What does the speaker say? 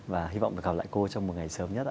và hy vọng được gặp lại cô trong một ngày sớm nhất ạ